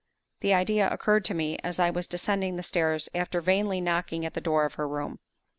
The idea occurred to me as I was descending the stairs after vainly knocking at the door of her room.